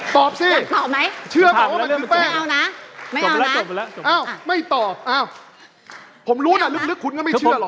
ตอบสิเชื่อเขาว่ามันคือแป้งไม่ตอบผมรู้น่ะลึกคุณก็ไม่เชื่อหรอก